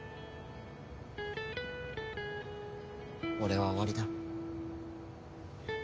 俺は終わりだ。